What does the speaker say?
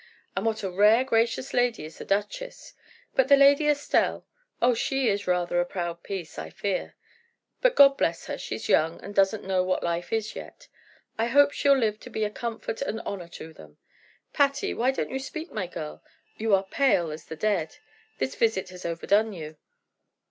And what a rare gracious lady is the duchess! But the Lady Estelle oh, she is rather a proud piece, I fear. But God bless her, she's young, and doesn't know what life is yet. I hope she'll live to be a comfort and honor to them. Patty! Why don't you speak, my girl? You are pale as the dead. This visit has overdone you."